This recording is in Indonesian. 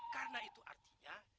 karena itu artinya